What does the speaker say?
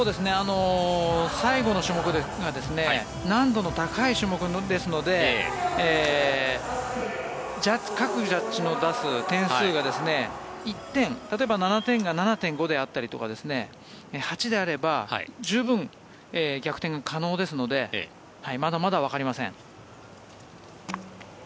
最後の種目では難度の高い種目ですので各ジャッジの出す点数が１点、例えば７点が７．５であったりとか８であれば十分逆転が可能ですのでまだまだわかりません。